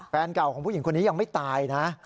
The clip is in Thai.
แฟนเก่าของผู้หญิงคนนี้ยังไม่ตายนะ